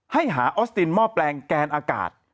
ให้หาออสตินหม้อแปลงแกนอากาศ